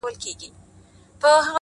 چي ته نه يې زما په ژونــــد كــــــي؛